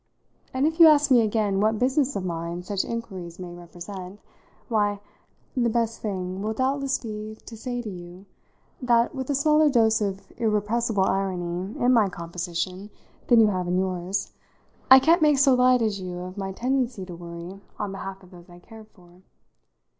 And if you ask me again what business of mine such inquiries may represent, why, the best thing will doubtless be to say to you that, with a smaller dose of irrepressible irony in my composition than you have in yours, I can't make so light as you of my tendency to worry on behalf of those I care for.